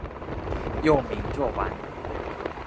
幼名若丸。